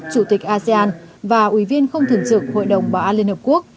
chủ tịch asean và ủy viên không thường trực hội đồng bảo an liên hợp quốc